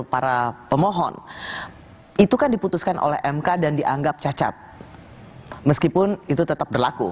para pemohon itu kan diputuskan oleh mk dan dianggap cacat meskipun itu tetap berlaku